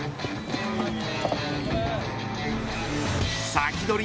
サキドリ！